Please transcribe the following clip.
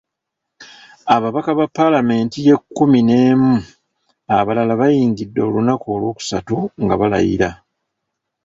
Ababaka ba Paalamenti y’ekkumi n'emu abalala bayingidde olunaku olwokusatu nga balayira.